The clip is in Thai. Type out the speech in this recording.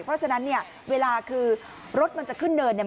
เพราะฉะนั้นเนี่ยเวลาคือรถมันจะขึ้นเนินเนี่ย